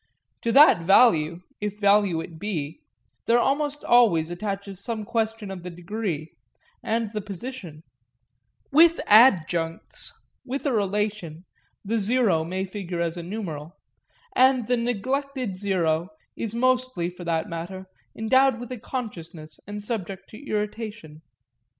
To that value, if value it be, there almost always attaches some question of the degree and the position: with adjuncts, with a relation, the zero may figure as a numeral and the neglected zero is mostly, for that matter, endowed with a consciousness and subject to irritation.